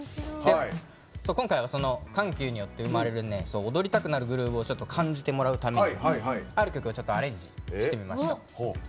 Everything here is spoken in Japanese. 今回は、その緩急によって生まれる踊りたくなるグルーヴをちょっと感じてもらうためにある曲をアレンジしてみました。